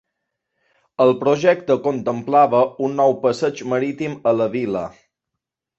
El projecte contemplava un nou passeig marítim a la vila.